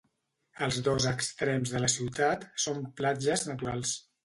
Els dos extrems de la ciutat són platges naturals.